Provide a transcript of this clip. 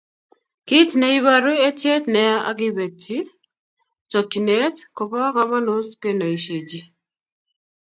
Kit ne iboru eitiet neya ak kibetyi tokchinet kobo komonut kenoisiechi